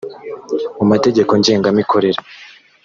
mu mategeko ngenga mikorere